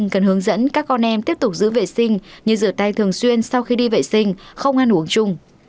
khi đi vệ sinh không ăn uống chung